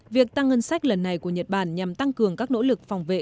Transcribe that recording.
việc tăng ngân sách lần này của nhật bản nhằm tăng cường các nỗ lực phòng vệ